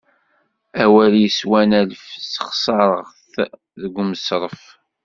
Awal yeswan alef, sexseṛeɣ-t deg umṣeṛṛef.